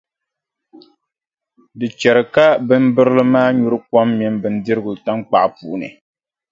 Di chɛri ka bimbirili maa nyuri kom mini bindirigu taŋkpaɣu puuni.